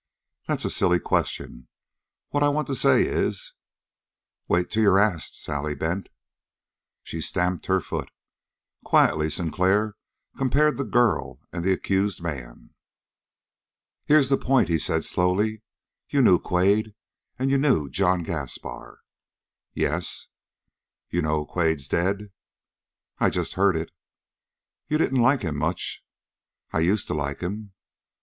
"That's a silly question. What I want to say is " "Wait till you're asked, Sally Bent." She stamped her foot. Quietly Sinclair compared the girl and the accused man. "Here's the point," he said slowly. "You knew Quade, and you knew John Gaspar." "Yes." "You know Quade's dead?" "I've just heard it." "You didn't like him much?" "I used to like him."